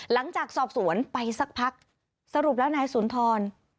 หลังจากสอบสวนไปสักพักสรุปแล้วนายสุนทร